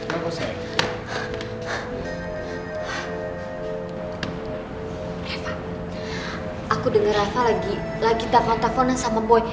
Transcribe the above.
refa aku denger refa lagi lagi telpon telponan sama boy